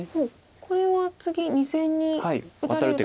これは次２線に打たれると。